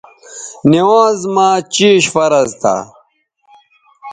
نِوانز مہ چیش فرض تھا